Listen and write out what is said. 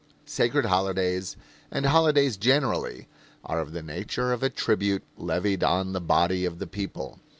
Sacred holidays, and holidays generally, are of the nature of a tribute levied on the body of the people.